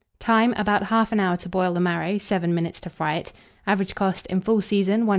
Time. About 1/2 hour to boil the marrow, 7 minutes to fry it. Average cost, in full season, 1s.